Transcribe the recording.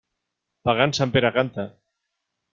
Pagant, Sant Pere canta.